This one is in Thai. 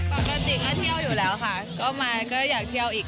ปกติก็เที่ยวอยู่แล้วค่ะก็มาก็อยากเที่ยวอีก